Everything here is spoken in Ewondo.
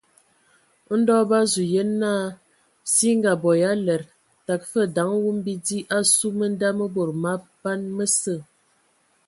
Ndɔ bǝ azu yen naa si e ngaabo ya aled, təgǝ fəg daŋ wum bidi asu mə̀nda mǝ bod maban mǝsə.